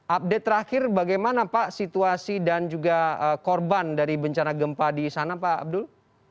update terakhir bagaimana pak situasi dan juga korban dari bencana gempa di sana pak abdul